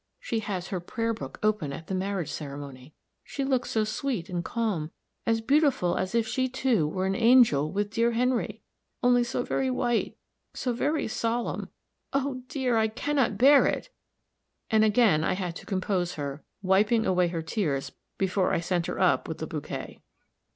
She has her prayer book open at the marriage ceremony. She looks so sweet and calm, as beautiful as if she, too, were an angel with dear Henry only so very white, so very solemn oh, dear, I cannot bear it!" and again I had to compose her, wiping away her tears, before I sent her up with the bouquet.